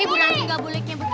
ibu ranti nggak boleh kayak begitu